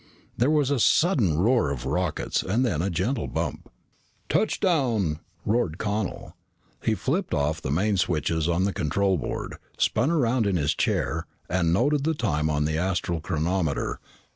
There was a sudden roar of rockets and then a gentle bump. "Touchdown!" roared Connel. He flipped off the main switches on the control board, spun around in his chair, and noted the time on the astral chronometer.